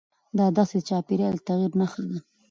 دا دښتې د چاپېریال د تغیر نښه ده.